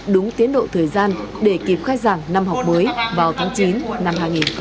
đúng tiến độ thời gian để kịp khai giảng năm học mới vào tháng chín năm hai nghìn hai mươi